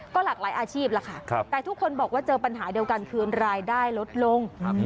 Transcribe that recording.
หลากหลายอาชีพแล้วค่ะแต่ทุกคนบอกว่าเจอปัญหาเดียวกันคือรายได้ลดลง